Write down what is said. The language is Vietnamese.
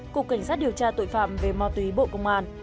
cục cảnh sát điều tra tội phạm về ma túy bộ công an